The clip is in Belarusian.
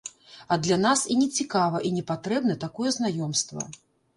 А для нас і не цікава і не патрэбна такое знаёмства.